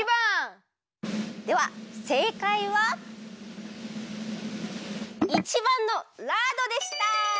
ではせいかいは１ばんのラードでした！